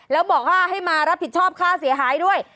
แล้วบอกว่าให้มารับผิดชอบค่าเสียหายด้วย